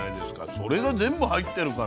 それが全部、入ってるから。